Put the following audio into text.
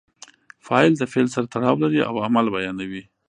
فعل د فاعل سره تړاو لري او عمل بیانوي.